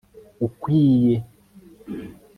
ukwiye